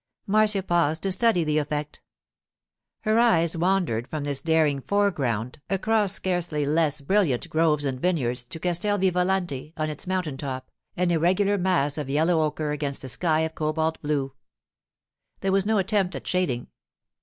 Marcia paused to study the effect. Her eyes wandered from this daring foreground across scarcely less brilliant olive groves and vineyards to Castel Vivalanti on its mountain top, an irregular mass of yellow ochre against a sky of cobalt blue. There was no attempt at shading.